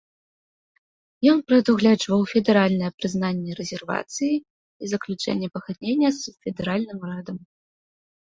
Ён прадугледжваў федэральнае прызнанне рэзервацыі і заключэнне пагаднення з федэральным урадам.